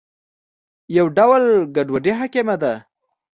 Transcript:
یو ډول ګډوډي حاکمه ده.